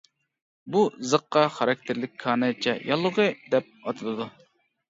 بۇ زىققا خاراكتېرلىك كانايچە ياللۇغى دەپ ئاتىلىدۇ.